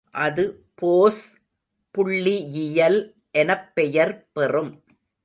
அது போஸ் புள்ளியியல் எனப் பெயர் பெறும்.